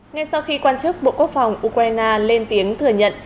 ngay sau khi quan chức bộ quốc phòng ukraine lên tiếng thừa nhận